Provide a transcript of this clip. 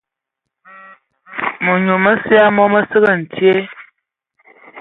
Minyu məsə ya wɔ mə səki ntye.